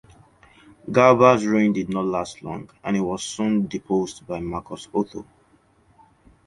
Galba's reign did not last long and he was soon deposed by Marcus Otho.